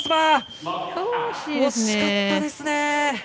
惜しかったですね。